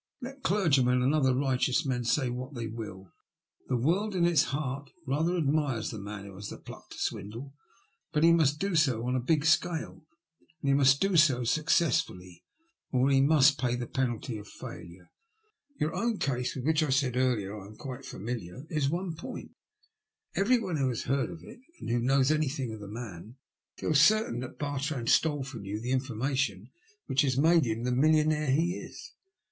Let clergymen and other righteous men say what tiiey will, the world in its heart rather admires the man who has the pluck to swindle, but he must do so on a big scale, and he must do so successfully, or he must pay the penalty of failure. Your own case, with which, as I said earlier, I am quite familiar, is one in point. Everyone who has heard of it, and who knows anything of the man, feels certain that Bartrand stole from you the information which has made him the millionaire he is.